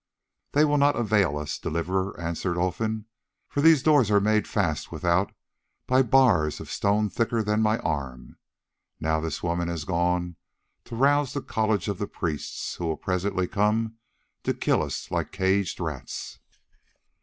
"They will not avail us, Deliverer," answered Olfan, "for these doors are made fast without by bars of stone thicker than my arm. Now this woman has gone to rouse the college of the priests, who will presently come to kill us like caged rats."